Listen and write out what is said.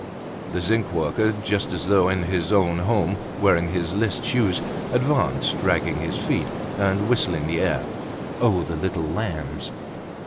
The zinc worker, just as though in his own home, wearing his list shoes, advanced, dragging his feet, and whistling the air, "Oh! the little lambs."